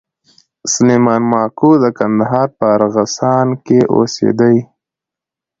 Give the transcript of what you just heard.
سلېمان ماکو د کندهار په ارغسان کښي اوسېدئ.